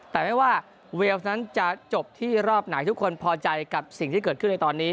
แต่ไม่ว่าเวลฟนั้นจะจบที่รอบไหนทุกคนพอใจกับสิ่งที่เกิดขึ้นในตอนนี้